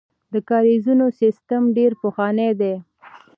د کاریزونو سیسټم ډیر پخوانی دی